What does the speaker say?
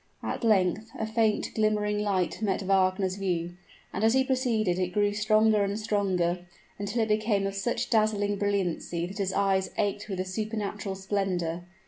At length, a faint, glimmering light met Wagner's view; and as he proceeded it grew stronger and stronger, until it became of such dazzling brilliancy that his eyes ached with the supernatural splendor.